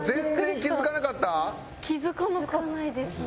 気付かないですね。